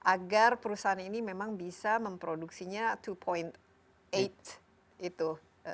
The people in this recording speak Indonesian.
agar perusahaan ini memang bisa memproduksinya dua delapan itu